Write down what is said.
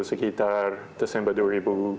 sekitar desember dua ribu satu